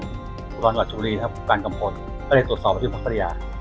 ท่านผู้การกวาดชุมรีท่านผู้การกำพลก็ได้ตรวจสอบที่พักษริยา